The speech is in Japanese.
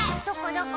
どこ？